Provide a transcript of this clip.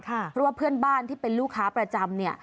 เพราะว่าเพื่อนบ้านที่เป็นลูกค้าประจำเนี่ย